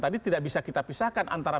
tadi tidak bisa kita pisahkan antara